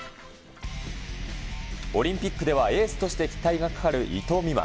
オリンピックではエースとして期待がかかる伊藤美誠。